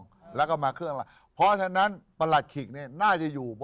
คิกคิกคิกคิกคิกคิกคิกคิกคิก